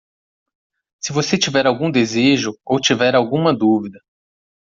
Se você tiver algum desejo ou tiver alguma dúvida